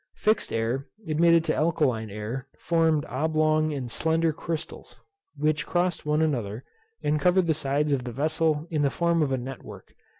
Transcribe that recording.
Fixed air admitted to alkaline air formed oblong and slender crystals, which crossed one another, and covered the sides of the vessel in the form of net work.